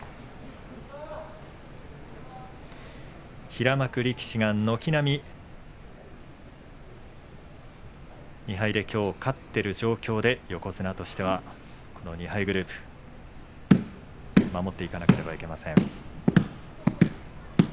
平幕力士が軒並み２敗できょう勝っている状況で横綱としては、２敗グループ守っていかなければいけません。